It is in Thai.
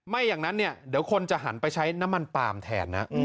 อย่างนั้นเนี่ยเดี๋ยวคนจะหันไปใช้น้ำมันปาล์มแทนนะ